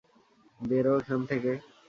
বেরো এখান থেকে!